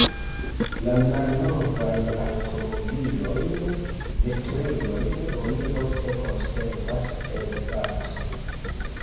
La malnovajn aŭtomobilojn, veturilojn oni ofte konservas per vakso.